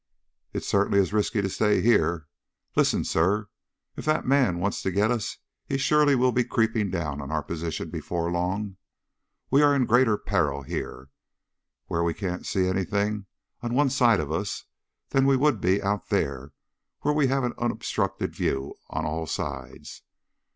"It certainly is risky to stay here. Listen, sir. If that man wants to get us he surely will be creeping down on our position before long. We are in greater peril here, where we can't see anything on one side of us, than we would be out there where we have an unobstructed view on all sides.